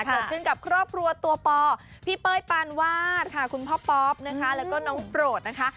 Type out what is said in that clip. กับครอบครัวตัวปอพี่เป้ยปานวาดค่ะคุณพ่อป๊อปนะคะแล้วก็น้องโปรดนะคะ